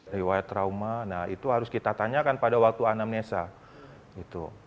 riwayat trauma nah itu harus kita tanyakan pada waktu anamnesa gitu